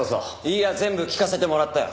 いや全部聞かせてもらったよ。